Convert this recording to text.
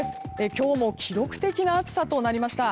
今日も記録的な暑さとなりました。